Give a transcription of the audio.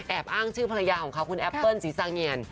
อ้างชื่อภรรยาของเขาคุณแอปเปิ้ลศรีซาเงียน